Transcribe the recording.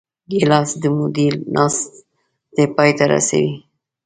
ګیلاس د مودې ناستې پای ته رسوي.